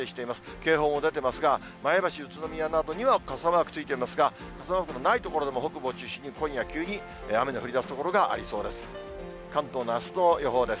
警報も出ていますが、前橋、宇都宮などには傘マークついていますが、傘マークのない所でも、北部を中心に、今夜、急に雨の降りだす所がありそうです。